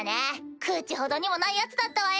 口ほどにもないヤツだったわよ。